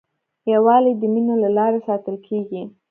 یووالی د مینې له لارې ساتل کېږي.